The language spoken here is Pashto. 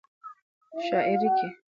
شاعرۍ کې